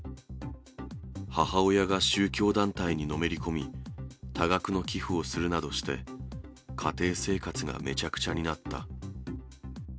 母親が宗教団体にのめり込み、多額の寄付をするなどして、家庭生活がめちゃくちゃになった。